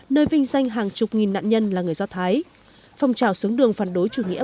nơi vinh danh hàng chục nghìn nạn nhân là người do thái phong trào xuống đường phản đối chủ nghĩa